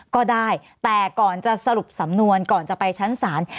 ก็ได้แต่ก่อนจะสรุปสำนวนก่อนจะไปชั้นศาล